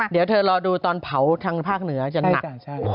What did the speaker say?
เดี๋ยวเธอรอดูตอนเผาทางภาคเหนือจะหนัก